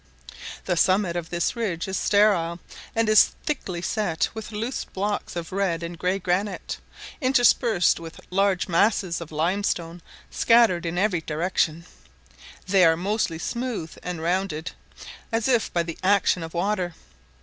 The summit of this ridge is sterile, and is thickly set with loose blocks of red and grey granite, interspersed with large masses of limestone scattered in every direction; they are mostly smooth and rounded, as if by the action of water.